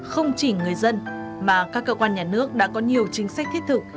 không chỉ người dân mà các cơ quan nhà nước đã có nhiều chính sách thiết thực